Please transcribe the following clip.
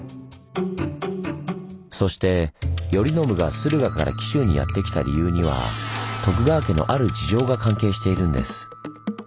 そして頼宣が駿河から紀州にやって来た理由には徳川家のある事情が関係しているんです。